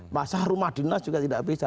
masa rumah dinas juga tidak beda